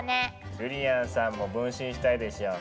ゆりやんさんも分身したいでしょ。